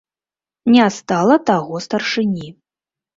Не стала таго старшыні.